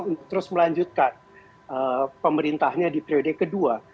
untuk terus melanjutkan pemerintahnya di periode kedua